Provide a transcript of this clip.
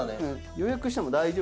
予約しても大丈夫？